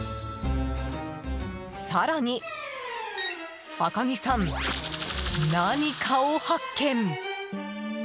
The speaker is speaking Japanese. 更に赤木さん、何かを発見。